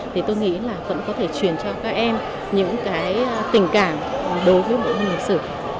thì tôi nghĩ là vẫn có thể truyền cho các em những cái tình cảm đối với bộ môn lịch sử